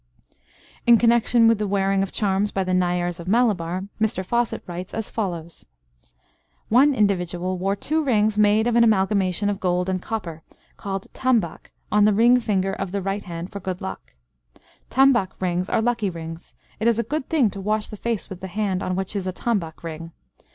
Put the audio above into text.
In connection with the wearing of charms by the Nayars of Malabar, Mr Fawcett writes as follows: "One individual wore two rings made of an amalgamation of gold and copper, called tambak on the ring finger of the right hand for good luck. Tambak rings are lucky rings. It is a good thing to wash the face with the hand, on which is a tambak ring.